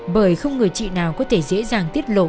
bởi không người chị nào có thể dễ dàng tiết lộ